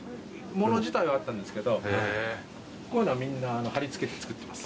物自体はあったんですけどこういうのはみんな貼り付けて作ってます。